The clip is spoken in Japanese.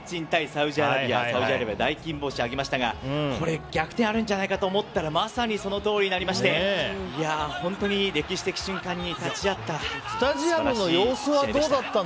サウジアラビア大金星を挙げましたがこれ、逆転あるんじゃないかと思ったらまさにそのとおりになりまして本当に歴史的瞬間に立ち会った素晴らしい試合でした。